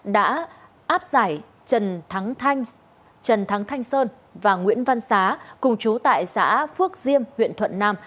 đã áp giải trần thắng thanh sơn và nguyễn văn xá cùng chú tại xã phước diêm huyện thuận nam